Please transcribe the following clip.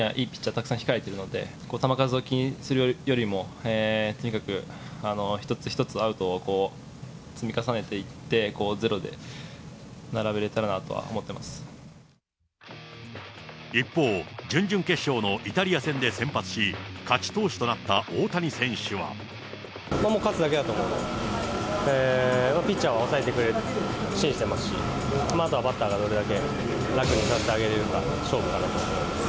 たくさん控えてるので、球数を気にするよりもとにかく一つ一つアウトを積み重ねていって、こうゼロで、一方、準々決勝のイタリア戦で先発し、もう勝つだけだと思うので、ピッチャーは抑えてくれると信じてますし、あとはバッターがどれだけ楽にさせてあげられるかが勝負かなと思います。